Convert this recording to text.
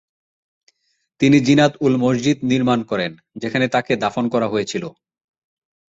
তিনি জিনাত-উল-মসজিদ নির্মান করেন, যেখানে তাকে দাফন করা হয়েছিল।